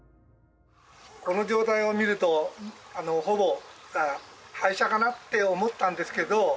この状態を見るとほぼ廃車かな？って思ったんですけど。